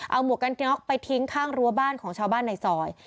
เอาหมวกกันน็อกไปทิ้งข้างรั้วบ้านของชาวบ้านในซอย